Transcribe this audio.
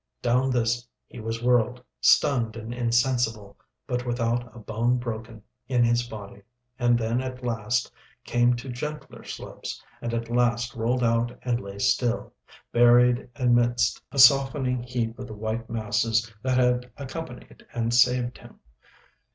Down this he was whirled, stunned and insensible, but without a bone broken in his body; and then at last came to gentler slopes, and at last rolled out and lay still, buried amidst a softening heap of the white masses that had accompanied and saved him.